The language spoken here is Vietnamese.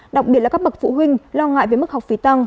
đặc biệt là các bậc phụ huynh lo ngại về mức học phí tăng